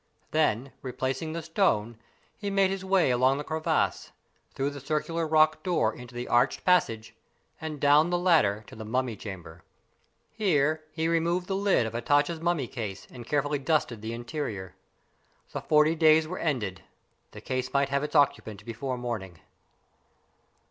Then, replacing the stone, he made his way along the crevice, through the circular rock door into the arched passage, and down the latter to the mummy chamber. Here he removed the lid of Hatatcha's mummy case and carefully dusted the interior. The forty days were ended. The case might have its occupant before morning.